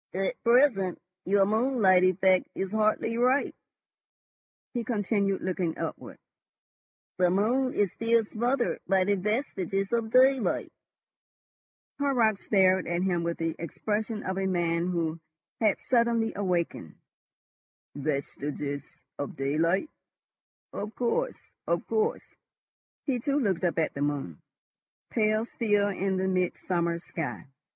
"At present your moonlight effect is hardly ripe," he continued, looking upward. "The moon is still smothered by the vestiges of daylight." Horrocks stared at him with the expression of a man who has suddenly awakened. "Vestiges of daylight? .... Of course, of course." He too looked up at the moon, pale still in the midsummer sky.